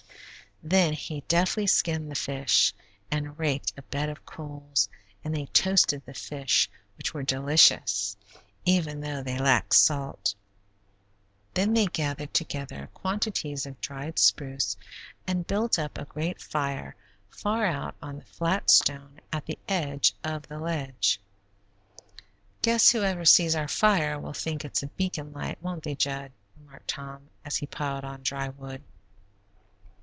Then he deftly skinned the fish, and raked a bed of coals, and they toasted the fish, which were delicious, even though they lacked salt. Then they gathered together quantities of dried spruce and built up a great fire far out on the flat stone at the edge of the ledge. "Guess whoever sees our fire will think it's a beacon light, won't they, Jud?" remarked Tom, as he piled on dry wood.